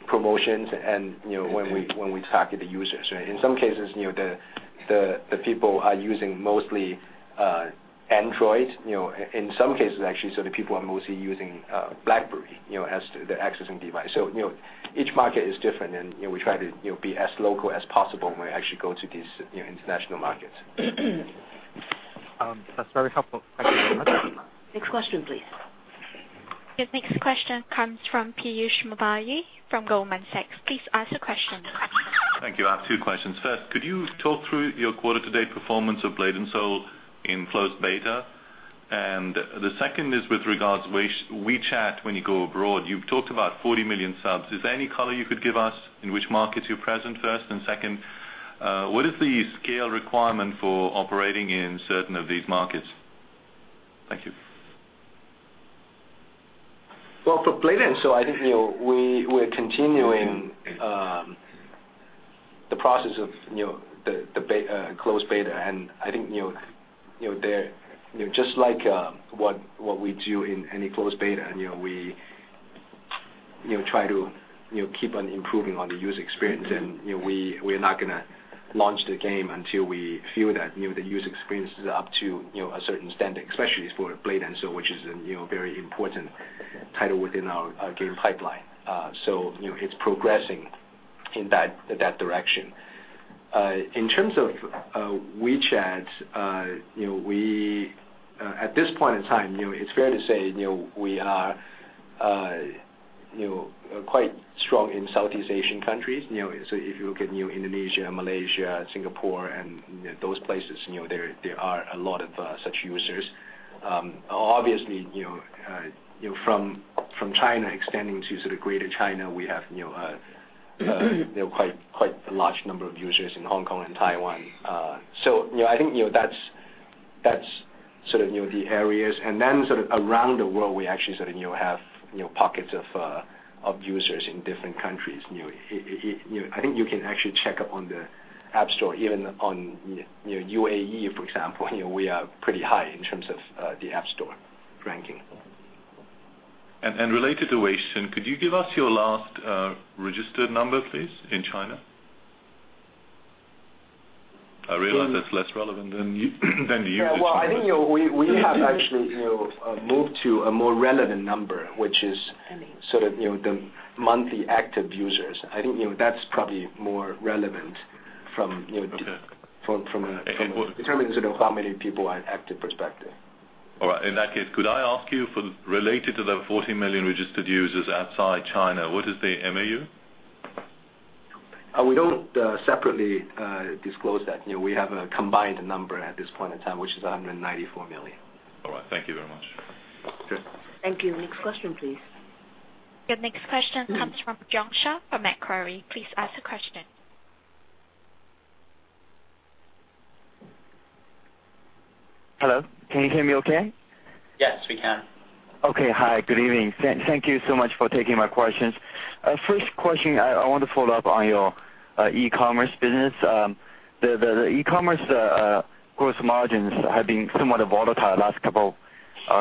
promotions and when we target the users, right? In some cases, the people are using mostly Android. In some cases, actually, the people are mostly using BlackBerry, as their accessing device. Each market is different and we try to be as local as possible when we actually go to these international markets. That's very helpful. Thank you very much. Next question, please. Your next question comes from Piyush Mubayi from Goldman Sachs. Please ask the question. Thank you. I have two questions. First, could you talk through your quarter-to-date performance of Blade & Soul in closed beta? The second is with regards WeChat when you go abroad. You've talked about 40 million subs. Is there any color you could give us in which markets you're present, first? Second, what is the scale requirement for operating in certain of these markets? Thank you. Well, for Blade & Soul, I think we're continuing the process of the closed beta. I think just like what we do in any closed beta, we try to keep on improving on the user experience. We're not gonna launch the game until we feel that the user experience is up to a certain standard, especially for Blade & Soul, which is a very important title within our game pipeline. It's progressing in that direction. In terms of WeChat, at this point in time, it's fair to say we are quite strong in Southeast Asian countries. If you look at Indonesia, Malaysia, Singapore, and those places, there are a lot of such users. Obviously, from China extending to sort of Greater China, we have quite a large number of users in Hong Kong and Taiwan. I think that's sort of the areas, then sort of around the world, we actually have pockets of users in different countries. I think you can actually check up on the App Store, even on U.A.E., for example, we are pretty high in terms of the App Store ranking. Related to WeChat, could you give us your last registered number please, in China? I realize that's less relevant than the usage. Well, I think we have actually moved to a more relevant number, which is sort of the monthly active users. I think that's probably more relevant. Okay determining sort of how many people are active perspective. All right. In that case, could I ask you for related to the 40 million registered users outside China, what is the MAU? We don't separately disclose that. We have a combined number at this point in time, which is 194 million. All right. Thank you very much. Sure. Thank you. Next question, please. Your next question comes from Jiong Shao from Macquarie. Please ask the question. Hello. Can you hear me okay? Yes, we can. Okay. Hi, good evening. Thank you so much for taking my questions. First question, I want to follow up on your e-commerce business. The e-commerce gross margins have been somewhat volatile last couple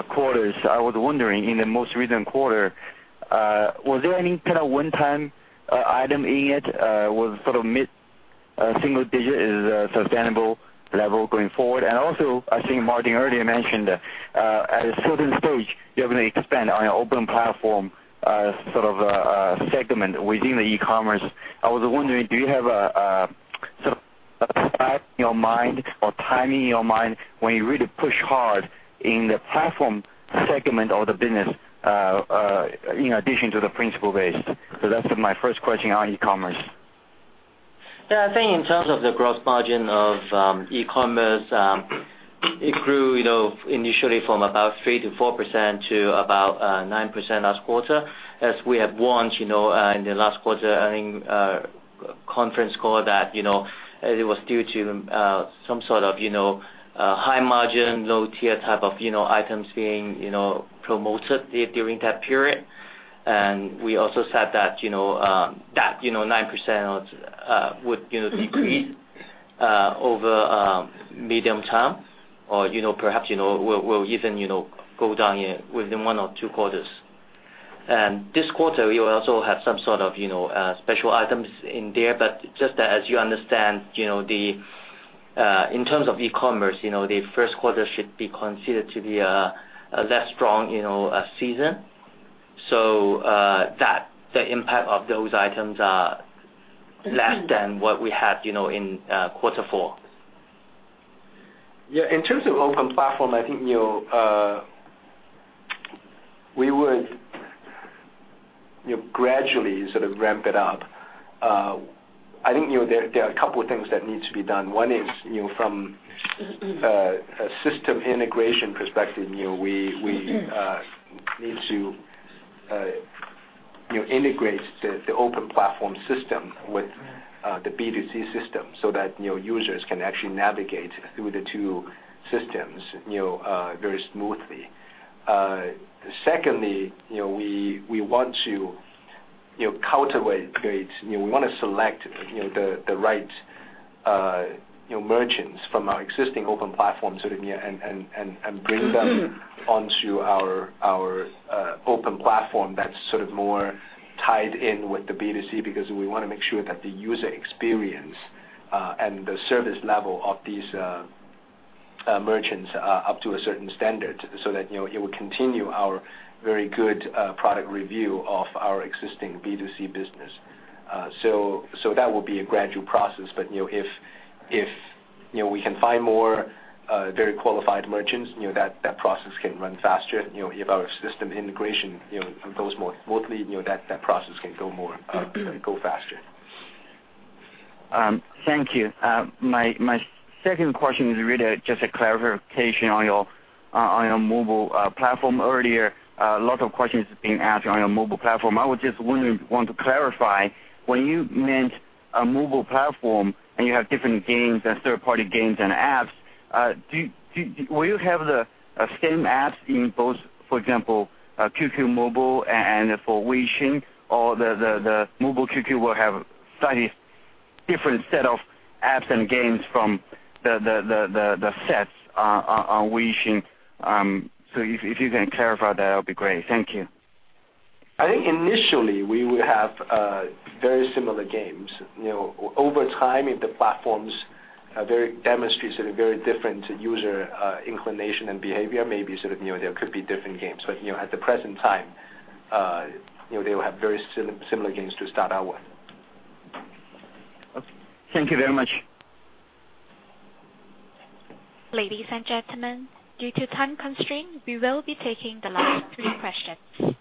quarters. I was wondering, in the most recent quarter, was there any kind of one time item in it, was sort of mid-single digit is a sustainable level going forward? I think Martin earlier mentioned, at a certain stage, you're going to expand on your open platform, sort of a segment within the e-commerce. I was wondering, do you have in your mind or timing in your mind when you really push hard in the platform segment of the business, in addition to the principal base? That's my first question on e-commerce. Yeah, I think in terms of the gross margin of e-commerce, it grew initially from about 3%-4% to about 9% last quarter. As we had warned in the last quarter earnings conference call that, it was due to some sort of high margin, low tier type of items being promoted during that period. We also said that 9% would decrease over medium term or perhaps will even go down within one or two quarters. This quarter, we will also have some sort of special items in there. Just as you understand, in terms of e-commerce, the first quarter should be considered to be a less strong season. The impact of those items are less than what we had in quarter 4. Yeah. In terms of open platform, I think we would gradually sort of ramp it up. I think there are a couple things that need to be done. One is, from a system integration perspective, we need to integrate the open platform system with the B2C system so that users can actually navigate through the 2 systems very smoothly. Secondly, we want to cultivate, we want to select the right merchants from our existing open platform, and bring them onto our open platform that's sort of more tied in with the B2C, because we want to make sure that the user experience, and the service level of these merchants are up to a certain standard, so that it would continue our very good product review of our existing B2C business. That will be a gradual process, but if we can find more very qualified merchants, that process can run faster. If our system integration goes more smoothly, that process can go faster. Thank you. My second question is really just a clarification on your mobile platform. Earlier, lots of questions has been asked on your mobile platform. I just want to clarify, when you meant a mobile platform, and you have different games and third-party games and apps, will you have the same apps in both, for example, Mobile QQ and for Weixin, or the Mobile QQ will have slightly different set of apps and games from the sets on Weixin. If you can clarify that'll be great. Thank you. I think initially we will have very similar games. Over time, if the platforms demonstrate sort of very different user inclination and behavior, maybe there could be different games. At the present time, they will have very similar games to start out with. Okay. Thank you very much. Ladies and gentlemen, due to time constraint, we will be taking the last three questions.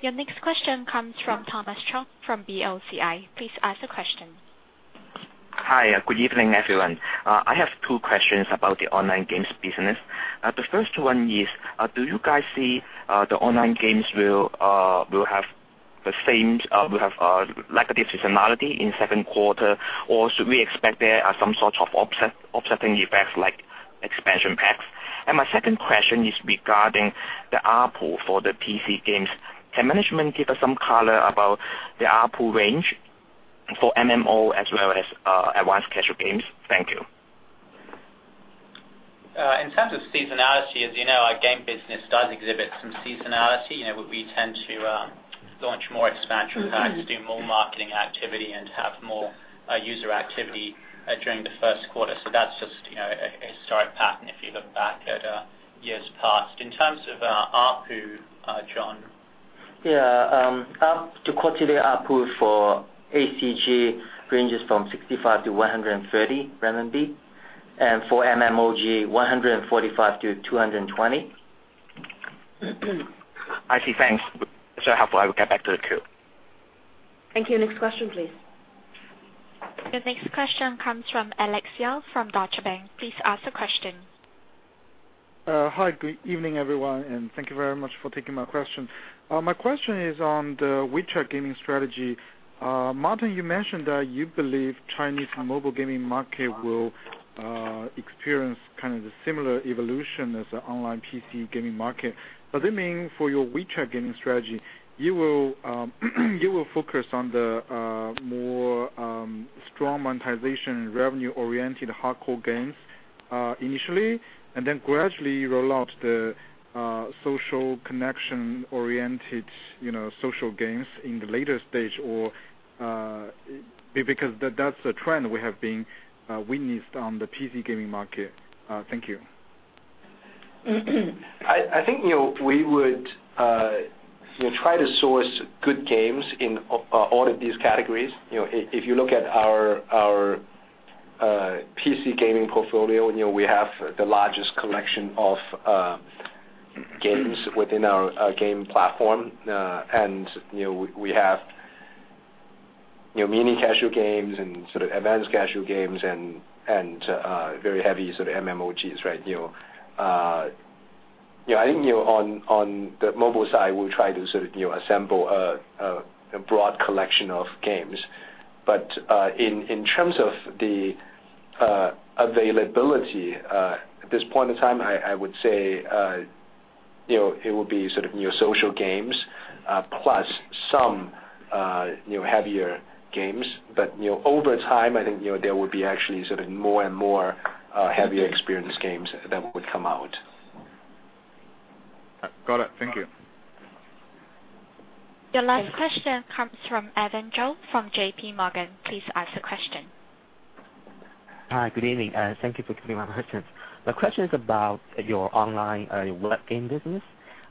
Your next question comes from [Thomas Chong] from CLSA. Please ask the question. Hi. Good evening, everyone. I have two questions about the online games business. The first one is, do you guys see the online games will have lack of seasonality in second quarter, or should we expect there are some sort of offsetting effects like expansion packs? My second question is regarding the ARPU for the PC games. Can management give us some color about the ARPU range for MMO as well as advanced casual games? Thank you. In terms of seasonality, as you know, our game business does exhibit some seasonality. We tend to launch more expansion packs, do more marketing activity, and have more user activity during the first quarter. That's just a historic pattern if you look back at years past. In terms of ARPU, John. Yeah. The quarterly ARPU for ACG ranges from 65-130 renminbi. For MMOG, 145-220. I see. Thanks. That's very helpful. I will get back to the queue. Thank you. Next question, please. Your next question comes from Alex Yao from Deutsche Bank. Please ask the question. Hi. Good evening, everyone, and thank you very much for taking my question. My question is on the WeChat gaming strategy. Martin, you mentioned that you believe Chinese mobile gaming market will experience kind of the similar evolution as the online PC gaming market. Does it mean for your WeChat gaming strategy, you will focus on the more strong monetization revenue-oriented hardcore games initially, then gradually roll out the social connection-oriented social games in the later stage, because that's the trend we have witnessed on the PC gaming market. Thank you. I think we would try to source good games in all of these categories. If you look at our PC gaming portfolio, we have the largest collection of games within our game platform. We have mini casual games and advanced casual games and very heavy MMOGs. I think on the mobile side, we try to assemble a broad collection of games. In terms of the availability, at this point in time, I would say it will be social games plus some heavier games. Over time, I think there would be actually more and more heavier experience games that would come out. Got it. Thank you. Your last question comes from Evan Zhou from JPMorgan. Please ask the question. Hi. Good evening. Thank you for giving me my questions. My question is about your online web game business,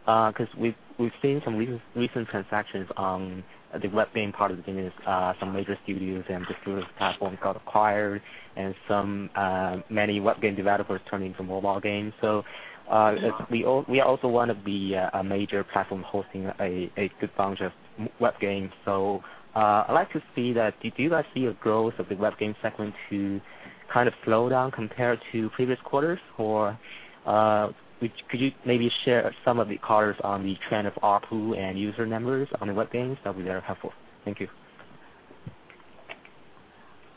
because we've seen some recent transactions on the web game part of the business, some major studios and distributors platforms got acquired, and many web game developers turning to mobile games. We are also one of the major platform hosting a good bunch of web games. I'd like to see that, did you guys see a growth of the web game segment to kind of slow down compared to previous quarters? Could you maybe share some of the colors on the trend of ARPU and user numbers on the web games? That'll be very helpful. Thank you.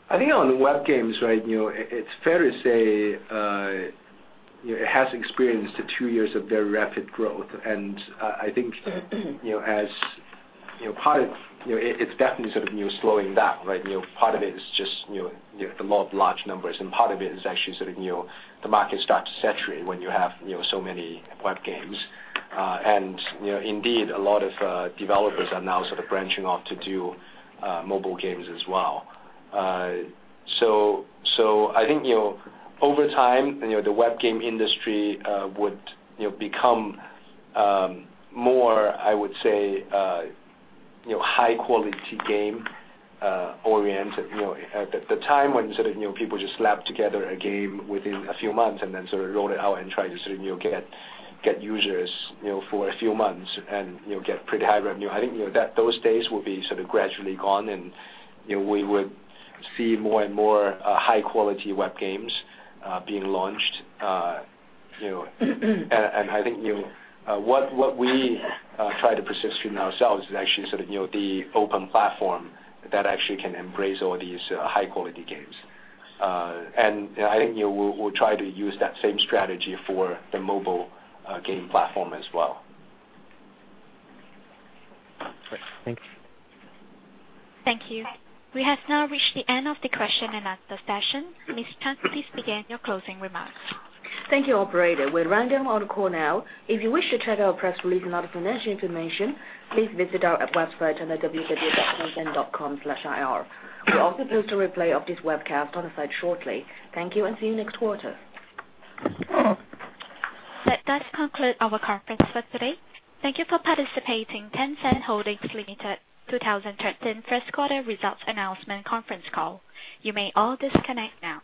I think on web games, it's fair to say, it has experienced two years of very rapid growth, and I think it's definitely sort of slowing down. Part of it is just the law of large numbers, and part of it is actually the market starts to saturate when you have so many web games. Indeed, a lot of developers are now branching off to do mobile games as well. I think, over time, the web game industry would become more, I would say, high-quality game-oriented. The time when people just slap together a game within a few months and then sort of roll it out and try to get users for a few months and get pretty high revenue, I think those days will be gradually gone, and we would see more and more high-quality web games being launched. I think what we try to position ourselves is actually the open platform that actually can embrace all these high-quality games. I think we'll try to use that same strategy for the mobile game platform as well. Great. Thank you. Thank you. We have now reached the end of the question and answer session. Ms. Chan, please begin your closing remarks. Thank you, operator. We're done on the call now. If you wish to check out our press release and other financial information, please visit our website on the www.tencent.com/ir. We'll also post a replay of this webcast on the site shortly. Thank you, and see you next quarter. That does conclude our conference for today. Thank you for participating. Tencent Holdings Limited 2013 first quarter results announcement conference call. You may all disconnect now.